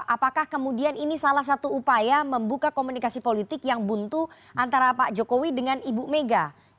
apakah kemudian ini salah satu upaya membuka komunikasi politik yang buntu antara pak jokowi dengan ibu mega